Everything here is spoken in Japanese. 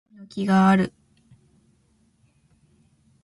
もみの木がある